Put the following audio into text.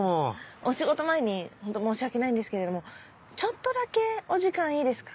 お仕事前にホント申し訳ないんですけれどもちょっとだけお時間いいですか？